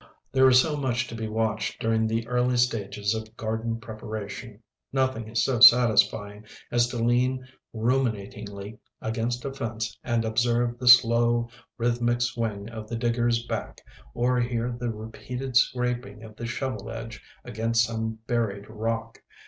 There is much to be watched during the early stages of garden preparation. Nothing is so satisfying as to lean ruminatingly against a fence and observe the slow, rhythmic swing of the digger's back or hear the repeated scraping of the shovel edge against some buried rock.